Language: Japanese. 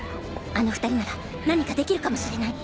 あの２人なら何かできるかもしれない。